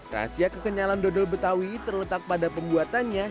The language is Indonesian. rahasia kekenyalan dodol betawi terletak pada pembuatannya